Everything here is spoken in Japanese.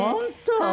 本当！